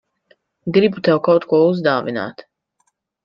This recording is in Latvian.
Gribu tev kaut ko uzdāvināt.